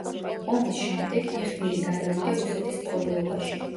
ომის შემდეგ იღდირი გადავიდა რუსეთის მფლობელობაში.